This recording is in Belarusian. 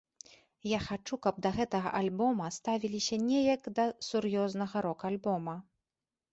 Я хачу, каб да гэтага альбома ставіліся не як да сур'ёзнага рок-альбома.